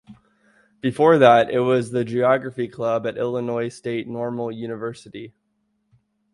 Before that it was the Geography Club at Illinois State Normal University.